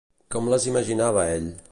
Com les imaginava ell?